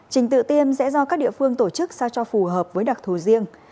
trình tự tiêm sẽ do các địa phương tổ chức sao cho phù hợp với đặc thù riêng